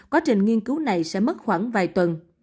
quá trình nghiên cứu này sẽ mất khoảng vài tuần